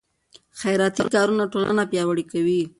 خیراتي کارونه ټولنه پیاوړې کوي.